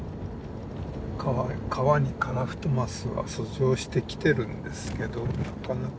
川にカラフトマスが遡上してきてるんですけどなかなか川にも。